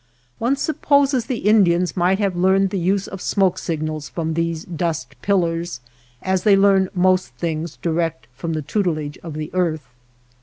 One supposes the Indians might have learned the use of smoke signals from these dust pillars as they learn most things direct from the tutelage of the earth.